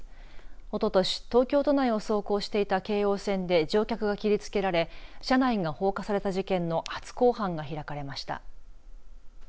おととし東京都内を走行していた京王線で乗客が切りつけられ車内が放火された事件の初公判が開かれました。